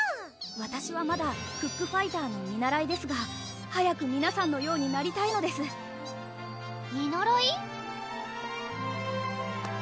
わたしはまだクックファイターの見習いですが早く皆さんのようになりたいのです見習い？